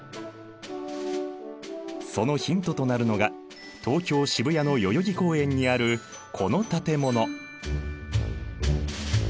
そのヒントとなるのが東京・渋谷の代々木公園にあるこの建物。